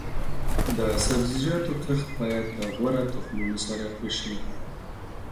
د سبزیجاتو کښت باید د غوره تخمونو سره وشي.